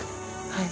はい。